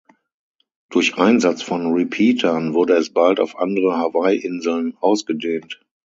Durch Einsatz von Repeatern wurde es bald auf andere Hawaii-Inseln ausgedehnt.